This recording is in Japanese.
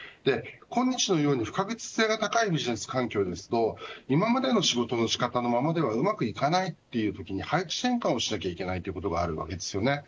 こんにちのように不確実性の高いビジネス環境ですと今までの仕事の仕方のままではうまくいかないというときに配置展開をしなきゃいけないということがあるわけですよね。